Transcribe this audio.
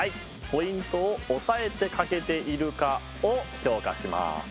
ポイントを押さえて描けているかを評価します。